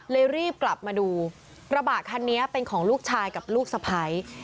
รีบกลับมาดูกระบะคันนี้เป็นของลูกชายกับลูกสะพ้าย